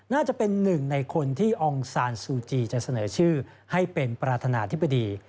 น่าจะเป็นหนึ่งในคนที่องซานซูจีจะเสนอชื่อให้เป็นประธานาธิบดี